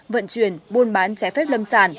vận chuyển buôn bán trái phép lâm sản